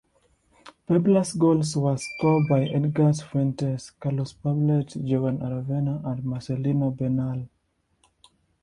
Puebla's goals were score by Edgardo Fuentes, Carlos Poblete, Jorge Aravena and Marcelino Bernal.